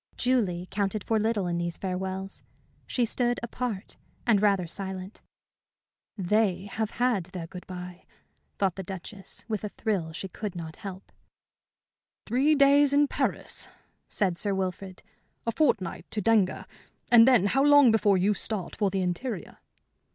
Julie counted for little in these farewells. She stood apart and rather silent. "They have had their good bye," thought the Duchess, with a thrill she could not help. "Three days in Paris?" said Sir Wilfrid. "A fortnight to Denga and then how long before you start for the interior?"